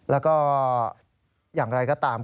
แล้วก็อย่างไรก็ตาม